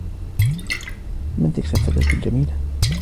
من تلك الفتاة الجميلة ؟